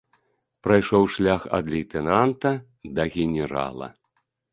Прайшоў шлях ад лейтэнанта да генерала.